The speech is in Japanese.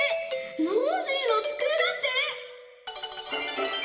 「ノージーのつくえ」だって！